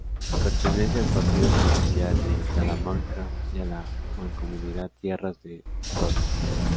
Pertenece al partido judicial de Salamanca y a la Mancomunidad Tierras del Tormes.